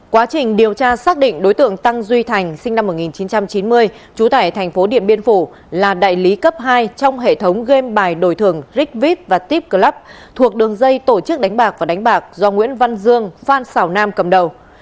quá trình điều tra xác định đối tượng tăng duy thành sinh năm một nghìn chín trăm chín mươi trú tại thành phố điện biên phủ là đại lý cấp hai trong hệ thống game bài đổi thường rigvip và tipclub thuộc đường dây tổ chức đánh bạc và đánh bạc do nguyễn văn dương phan xào nam cầm đầu